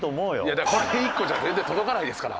だからこれ１個じゃ全然届かないですから！